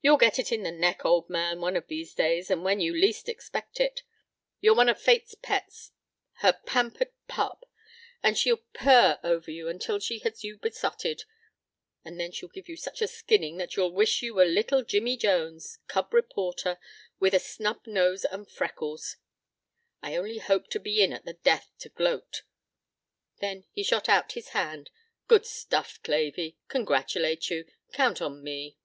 You'll get it in the neck, old man, one of these days, and when you least expect it. You're one of Fate's pets, her pampered pup, and she'll purr over you until she has you besotted, and then she'll give you such a skinning that you'll wish you were little Jimmy Jones, cub reporter, with a snub nose and freckles. I only hope to be in at the death to gloat." Then he shot out his hand. "Good stuff, Clavey. Congratulate you. Count on me."